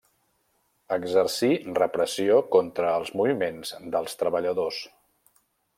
Exercí repressió contra els moviments dels treballadors.